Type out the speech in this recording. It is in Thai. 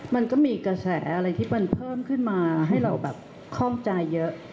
มันก็มีกระแสอะไรที่มันเพิ่มขึ้นมาให้เราแบบคล่องใจเยอะ